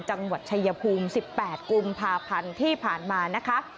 จังหวัดชายภูมิ๑๘กุมภาพันธ์ที่ผ่านมานะคะ